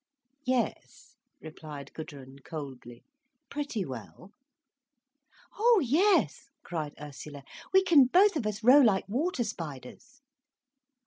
"Yes," replied Gudrun, coldly, "pretty well." "Oh yes," cried Ursula. "We can both of us row like water spiders."